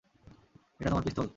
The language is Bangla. এটা তোমার পিস্তল?